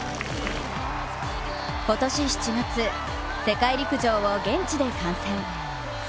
今年７月、世界陸上を現地で観戦。